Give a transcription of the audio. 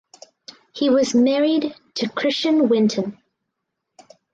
He was married to Christian Winton.